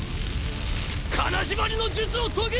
金縛りの術を解け！